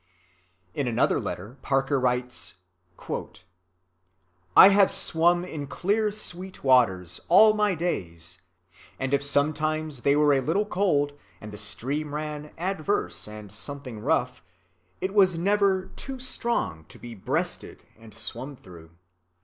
In another letter Parker writes: "I have swum in clear sweet waters all my days; and if sometimes they were a little cold, and the stream ran adverse and something rough, it was never too strong to be breasted and swum through.